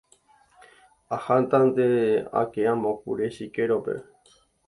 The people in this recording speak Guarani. Ahátante ake amo kure chikérope.